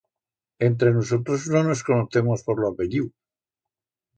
Entre nusotros no nos conocemos por lo apelliu.